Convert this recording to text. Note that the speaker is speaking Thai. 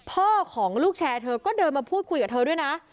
พ่อของลูกแชร์เธอก็เดินมาพูดคุยกับเธอด้วยนะ